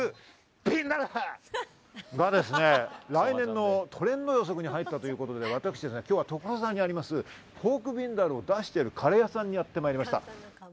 来年のトレンド予測に入ったということで私は所沢にありますポークビンダルーを出しているカレー屋さんにやって参りました。